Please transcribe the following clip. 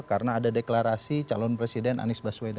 karena ada deklarasi calon presiden anies baswedan